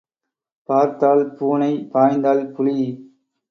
பார்த்தால் பூனை பாய்ந்தால் புலி.